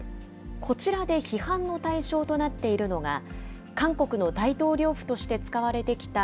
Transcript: こちらで批判の対象となっているのが、韓国の大統領府として使われてきた